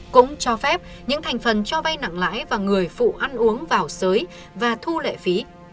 cũng cho phép những thành phần cho vay nặng lãi và người phụ ăn uống vào sới và thu lệ phí